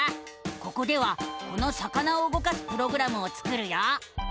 ここではこの魚を動かすプログラムを作るよ！